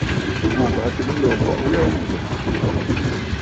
Ngum a tɨgə̀ ǹlo ŋkɔꞌɔ ŋghɛɛ a ndúgú.